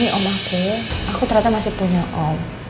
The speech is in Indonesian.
ini om ake aku ternyata masih punya om